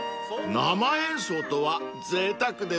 ［生演奏とはぜいたくですねぇ］